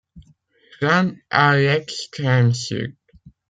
James à l'extrême sud.